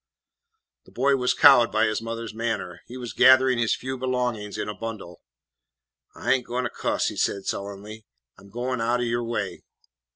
The boy was cowed by his mother's manner. He was gathering his few belongings in a bundle. "I ain't goin' to cuss," he said sullenly, "I 'm goin' out o' your way."